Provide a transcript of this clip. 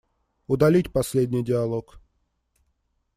Удалить последний диалог.